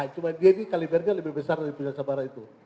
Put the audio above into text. cuma dia ini kalibernya lebih besar daripada sabara itu